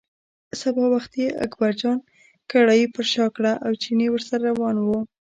سبا وختي اکبرجان کړایی پر شا کړه او چيني ورسره روان و.